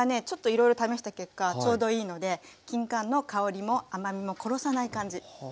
ちょっといろいろ試した結果ちょうどいいのできんかんの香りも甘みも殺さない感じ。